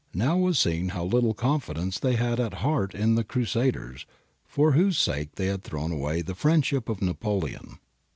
Now was seen how little confidence they had at heart in the ' crusaders ' for whose sake they had thrown away the friendship of Napoleon.